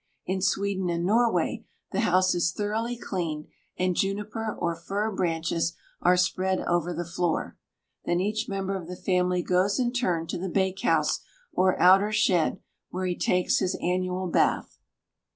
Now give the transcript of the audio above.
In Sweden and Norway, the house is thoroughly cleaned, and juniper or fir branches are spread over the floor. Then each member of the family goes in turn to the bake house, or outer shed, where he takes his annual bath.